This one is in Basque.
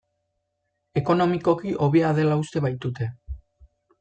Ekonomikoki hobea dela uste baitute.